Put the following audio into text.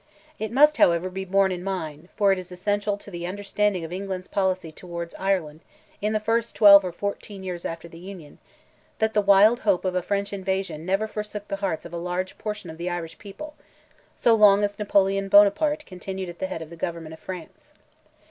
It must however be borne in mind, for it is essential to the understanding of England's policy towards Ireland, in the first twelve or fourteen years after the Union, that the wild hope of a French invasion never forsook the hearts of a large portion of the Irish people, so long as Napoleon Buonaparte continued at the head of the government of France.